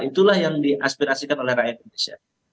itulah yang diaspirasikan oleh rakyat indonesia